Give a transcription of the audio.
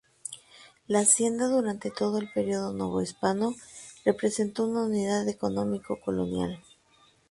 La hacienda durante todo el periodo novohispano, representó una unidad económico colonial.